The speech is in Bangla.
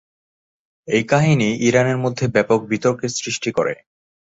এই কাহিনী ইরানের মধ্যে ব্যাপক বিতর্কের সৃষ্টি করে।